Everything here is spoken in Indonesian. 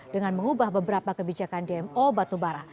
dengan mengubah beberapa kebijakan dmo batubara